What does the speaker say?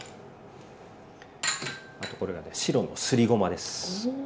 あとこれがね白のすりごまです。